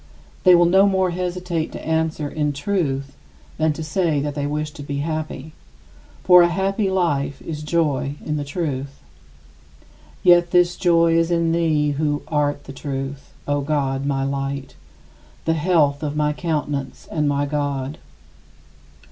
They will no more hesitate to answer, "In truth," than to say that they wish to be happy. For a happy life is joy in the truth. Yet this is joy in thee, who art the Truth, O God my Light, "the health of my countenance and my God."